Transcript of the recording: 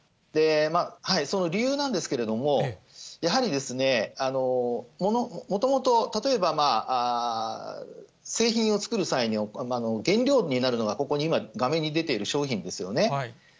その理由なんですけれども、やはり、もともと、例えば製品を作る際に原料になるのが、ここに今、画面に出ている商品ですよね。